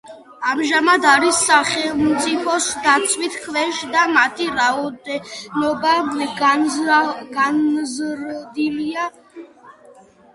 ამჟამად არის სახელმწიფოს დაცვის ქვეშ და მათი რაოდენობა გაზრდილია.